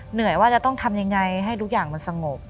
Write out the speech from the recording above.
เหนื่อยว่าจะต้องทำยังไงให้ทุกอย่างมันสงบ